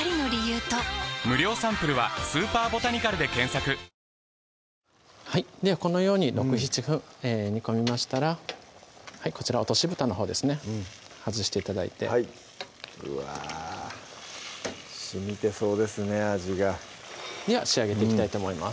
うれしいですねではこのように６７分煮込みましたらこちら落としぶたのほうですね外して頂いてうわしみてそうですね味がでは仕上げていきたいと思います